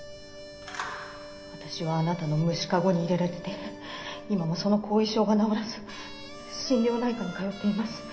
「私はあなたの無視カゴに入れられて今もその後遺症が治らず心療内科に通っています」